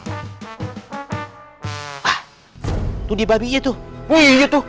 ah tuh dia babinya tuh